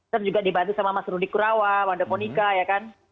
kita juga dibantu sama mas rudi kurawa wanda monika ya kan